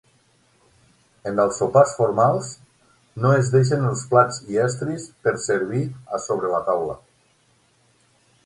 En els sopars formals no es deixen els plats i estris per servir a sobre la taula.